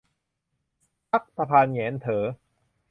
ชักตะพานแหงนเถ่อ